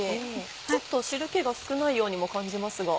ちょっと汁気が少ないようにも感じますが。